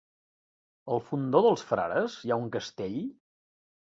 A el Fondó dels Frares hi ha un castell?